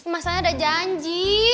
masalahnya ada janji